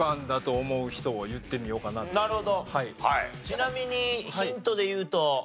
ちなみにヒントでいうと？